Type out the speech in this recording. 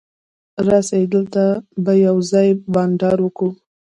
راسئ! دلته به یوځای بانډار وکو.